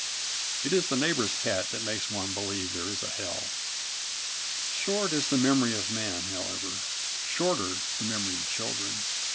It is the neighbour's cat that makes one believe there is a hell. Short is the memory of man, however. Shorter the memory of children.